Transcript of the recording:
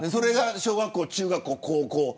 小学校、中学校、高校。